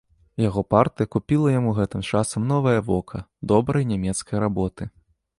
Яго партыя купіла яму гэтым часам новае вока, добрай нямецкай работы.